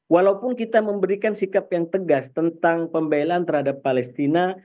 walaupun kita memberikan sikap yang tegas tentang pembelaan terhadap palestina